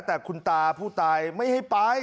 แต่คุณตาผู้ตายไม่ให้ไป